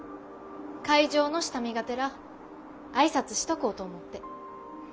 会場の下見がてら挨拶しとこうと思って。